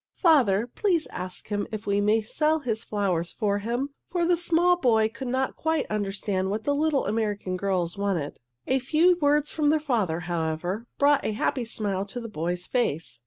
"Father, please ask him if we may sell his flowers for him," for the small boy could not quite understand what the little American girls wanted. A few words from their father, however, brought a happy smile to the boy's face.